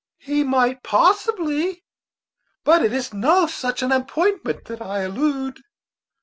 "He might possibly; but it is not to such an appointment that I allude."